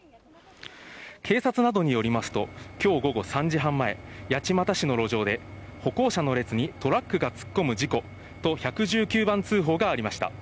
警察などによりますと、きょう午後３時半前、八街市の路上で、歩行者の列にトラックが突っ込む事故と、１１９番通報がありました。